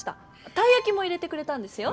たいやきも入れてくれたんですよ。